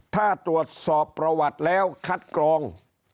ถ้าตรวจสอบประวัติแล้วคัดกรอง